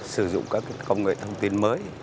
sử dụng các công nghệ thông tin mới